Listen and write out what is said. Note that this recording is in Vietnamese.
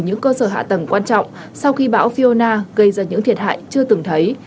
những cơ sở hạ tầng quan trọng sau khi bão fiona gây ra những thiệt hại chưa từng thấy